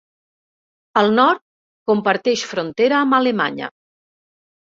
Al nord, comparteix frontera amb Alemanya.